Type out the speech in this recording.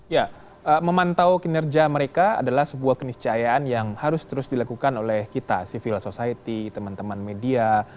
ya memantau kinerja mereka adalah sebuah keniscayaan yang harus terus dilakukan oleh kita civil society teman teman media